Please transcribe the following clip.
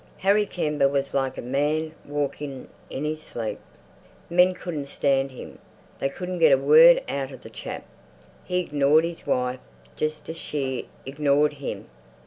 Harry Kember was like a man walking in his sleep. Men couldn't stand him, they couldn't get a word out of the chap; he ignored his wife just as she ignored him.